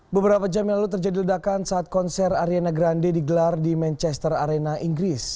beberapa jam yang lalu terjadi ledakan saat konser ariana grande digelar di manchester arena inggris